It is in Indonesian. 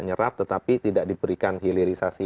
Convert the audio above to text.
menyerap tetapi tidak diberikan hilirisasi